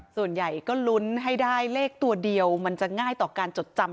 ส่วนใหญ่ก็ลุ้นให้ได้เลขตัวเดียวมันจะง่ายต่อการจดจำ